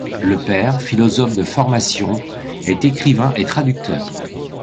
Le père, philosophe de formation, est écrivain et traducteur.